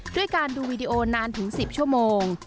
ด้วยการดูวีดีโอนานถึง๑๐ชั่วโมง